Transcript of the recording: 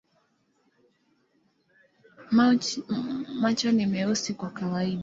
Macho ni meusi kwa kawaida.